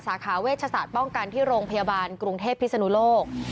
สาขาเวชศาสตร์ป้องกันที่โรงพยาบาลกรุงเทพพิศนุโลก